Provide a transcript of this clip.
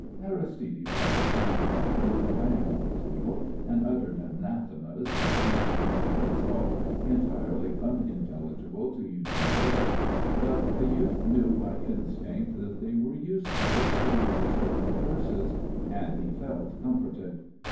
Aristide brought his hand down with a bang on the table and uttered anathemas in French and Provençal entirely unintelligible to Eugene Miller; but the youth knew by instinct that they were useful, soul destroying curses and he felt comforted.